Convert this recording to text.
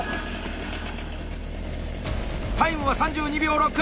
タイムは３２秒６！